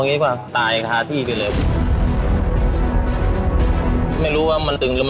พี่มาเล่าแบบนี้ผมไปไม่ถูกเลย